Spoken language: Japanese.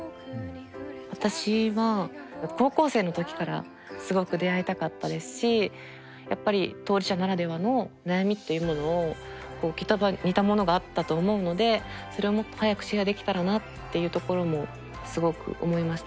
私は高校生の時からすごく出会いたかったですしやっぱり当事者ならではの悩みっていうものをきっと似たものがあったと思うのでそれをもっと早くシェアできたらなっていうところもすごく思いました。